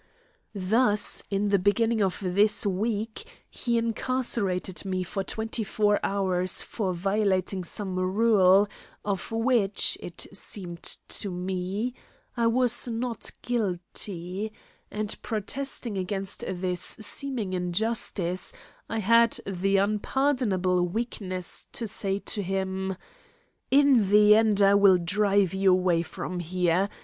Thus, in the beginning of this week he incarcerated me for twenty four hours for violating some rule, of which, it seemed to me, I was not guilty; and protesting against this seeming injustice I had the unpardonable weakness to say to him: "In the end I will drive you away from here.